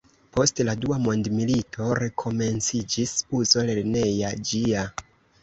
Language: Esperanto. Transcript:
Post la Dua mondmilito rekomenciĝis uzo lerneja ĝia.